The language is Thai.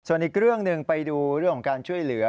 ส่วนอีกเรื่องหนึ่งไปดูเรื่องของการช่วยเหลือ